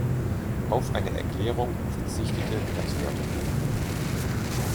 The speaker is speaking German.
Auf eine Erklärung verzichtete das Wörterbuch.